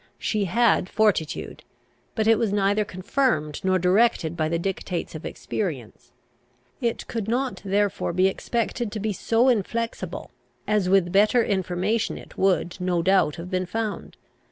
She had fortitude; but it was neither confirmed nor directed by the dictates of experience. It could not therefore be expected to be so inflexible, as with better information it would, no doubt, have been found.